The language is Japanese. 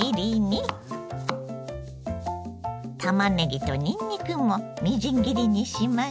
たまねぎとにんにくもみじん切りにしましょう。